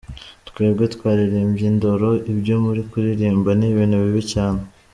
Twembwe twaririmbye ‘Indoro’, ibyo muri kuririmba ni ibintu bibi cyane…”.